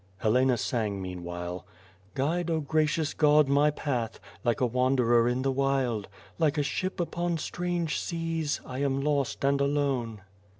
'' Helena sang meanwhile: " Gaide, O, Gracious God, my Path I Like a Wanderer in the Wild. Like a ship upon strange seas I am lost and alone.